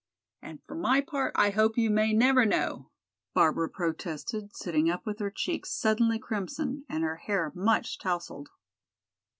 "And for my part I hope you may never know," Barbara protested, sitting up with her cheeks suddenly crimson and her hair much tousled.